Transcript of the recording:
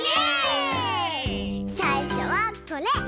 さいしょはこれ！